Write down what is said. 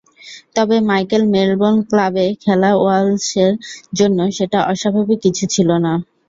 তবে Michael Melbourne ক্লাবে খেলা ওয়ালশের জন্য সেটা অস্বাভাবিক কিছু ছিল না।